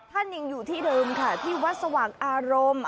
ท่านยังอยู่ที่เดิมค่ะที่วัดสว่างอารมณ์